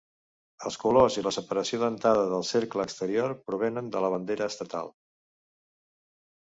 Els colors i la separació dentada del cercle exterior provenen de la bandera estatal.